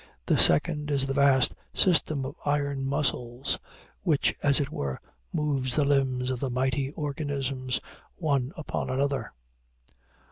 The second is the vast system of iron muscles which, as it were, move the limbs of the mighty organism one upon another.